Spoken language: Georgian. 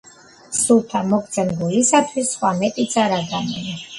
სულთა მოგცემ გულისათვის, სხვა მეტიცა რა გამონე!